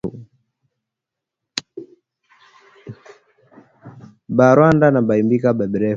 Ba na rwanda banaikalaka ba refu